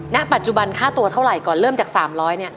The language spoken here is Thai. ณปัจจุบันค่าตัวเท่าไหร่ก่อนเริ่มจาก๓๐๐เนี่ย